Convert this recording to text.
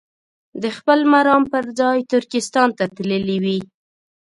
د خپل مرام پر ځای ترکستان ته تللي وي.